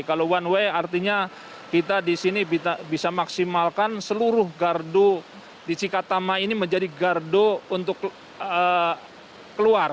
kalau one way artinya kita di sini bisa maksimalkan seluruh gardu di cikatama ini menjadi gardu untuk keluar